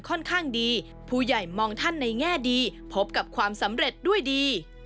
ค่อนข้างดีผู้ใหญ่มองท่านในแง่ดีพบกับความสำเร็จด้วยดี